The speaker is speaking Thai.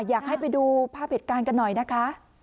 อยากให้ไปดูภาพเหตุการณ์กันหน่อยนะคะ